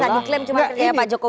bisa diklaim cuma kerja pak joko